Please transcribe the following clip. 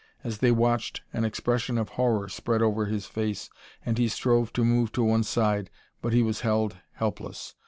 As they watched an expression of horror spread over his face and he strove to move to one side, but he was held helpless.